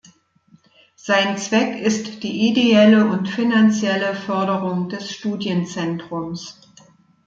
Sein Zweck ist die ideelle und finanzielle Förderung des Studienzentrums.